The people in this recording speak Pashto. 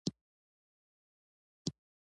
زه باید ځان مېس بارکلي ته شتمن ښکاره کړم.